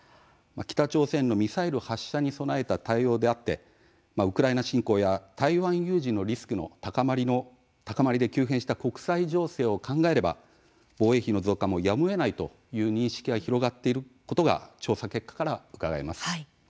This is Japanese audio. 北朝鮮のミサイル発射に備えた対応であってウクライナ侵攻や台湾有事のリスクの高まりで急変した国際情勢を考えれば防衛費の増加もやむをえないという認識が広がっていることが調査結果から、うかがえます。